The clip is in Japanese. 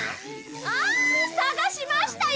あ捜しましたよ